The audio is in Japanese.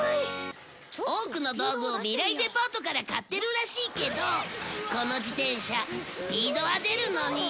多くの道具を未来デパートから買ってるらしいけどこの自転車スピードは出るのに